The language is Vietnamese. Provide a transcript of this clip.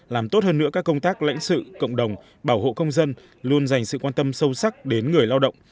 làm tốt hơn nữa các công tác lãnh sự cộng đồng bảo hộ công dân luôn dành sự quan tâm sâu sắc đến người lao động